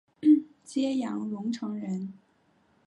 揭阳榕城人。